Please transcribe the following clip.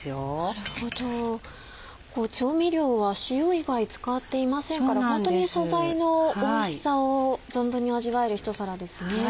なるほど調味料は塩以外使っていませんからホントに素材のおいしさを存分に味わえる一皿ですね。